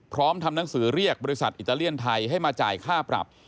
ทำหนังสือเรียกบริษัทอิตาเลียนไทยให้มาจ่ายค่าปรับ